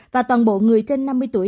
và toàn bộ người trên năm mươi tuổi